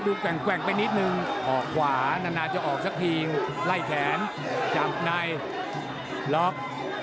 แกว่งไปนิดนึงออกขวานานจะออกสักทีไล่แขนจับในล็อก